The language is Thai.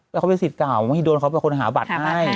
เขาไปสิทธิ์กล่าวไม่ได้โดนเขาไปหาบัตรให้